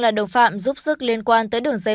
là đồng phạm giúp sức liên quan tới đường dây